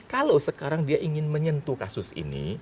kalau sekarang dia ingin menyentuh kasus ini